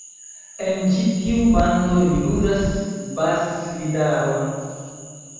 En ĉi-tiu bando, li ludas bas-gitaron.